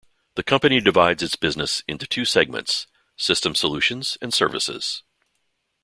The company divides its business into two segments: Systems Solutions and Services.